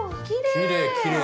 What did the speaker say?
あっきれいきれい！